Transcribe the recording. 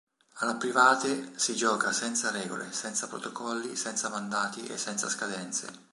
Alla Private si gioca senza regole, senza protocolli, senza mandati e senza scadenze.